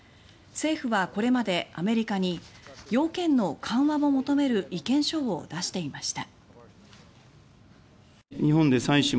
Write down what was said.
政府はこれまでアメリカに要件の緩和を求める意見書を出していました。